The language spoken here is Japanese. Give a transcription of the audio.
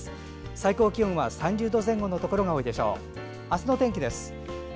最高気温は３０度前後のところが多いでしょう。